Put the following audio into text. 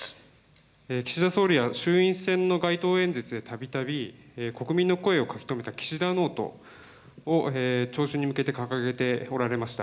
岸田総理は衆院選の街頭演説で、たびたび、国民の声を書き留めた岸田ノートを、聴衆に向けて掲げておられました。